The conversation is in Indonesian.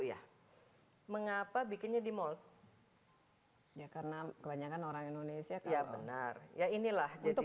ya mengapa bikinnya di mall ya karena kebanyakan orang indonesia kayak benar ya inilah jadi